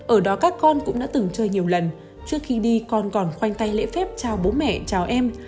ở đó các con cũng đã từng chơi nhiều lần trước khi đi con còn khoanh tay lễ phép trao bố mẹ chào em